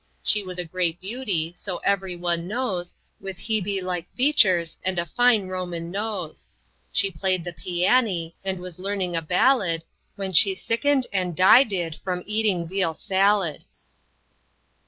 She was a great beauty, so every one knows, With Hebe like features and a fine Roman nose; She played the piany, and was learning a ballad, When she sickened and die did from eating veal salad."